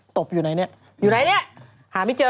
ตบอยู่ในนี่อยู่ในนี่หาม้ายังเจอ